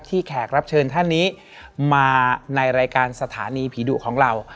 แขกรับเชิญท่านนี้มาในรายการสถานีผีดุของเรา